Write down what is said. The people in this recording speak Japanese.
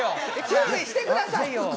注意してくださいよ！